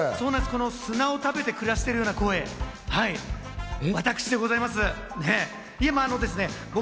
砂を食べて暮らしてるようなこの声、私でございます。